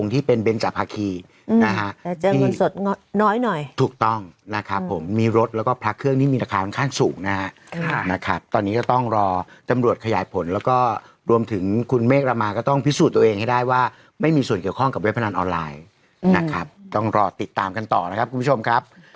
ตอนนี้ก็ต้องรอตำรวจขยายผลแล้วก็รวมถึงคุณเมฆรามาก็ต้องพิสูจน์ตัวเองให้ได้ว่าไม่มีส่วนเกี่ยวข้องกับเว็บพนันออนไลน์นะครับต้องรอติดตามกันต่อนะครับคุณผู้ชมครับ